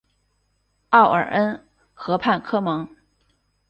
奥尔恩河畔科蒙。